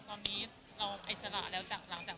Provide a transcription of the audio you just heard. เพิ่งสอบเสร็จด้วย